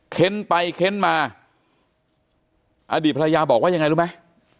เค้นไปเค้นมาอดีตภรรยาบอกว่ายังไงรู้ไหม